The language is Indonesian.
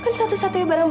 jangan diketak tutup alif